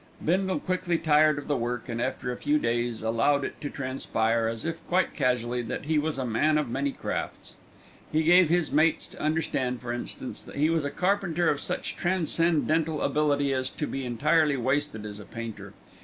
Bindle quickly tired of the work, and after a few days allowed it to transpire, as if quite casually, that he was a man of many crafts. He gave his mates to understand, for instance, that he was a carpenter of such transcendental ability as to be entirely wasted as a painter.